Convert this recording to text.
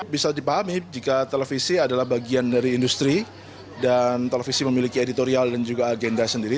bisa dipahami jika televisi adalah bagian dari industri dan televisi memiliki editorial dan juga agenda sendiri